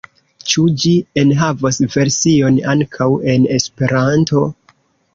Ĉu ĝi enhavos version ankaŭ en Esperanto?